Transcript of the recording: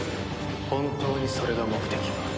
本当にそれが目的か？